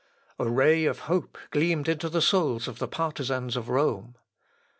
A ray of hope gleamed into the souls of the partizans of Rome.